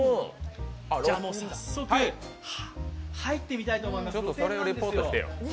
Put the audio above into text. じゃ、早速入ってみたいと思います